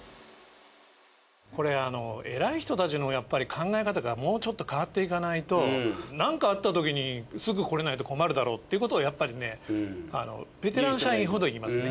これ偉い人たちのやっぱり考え方がもうちょっと変わっていかないとなんかあったときにすぐ来れないと困るだろっていうことをやっぱりねベテラン社員ほど言いますね。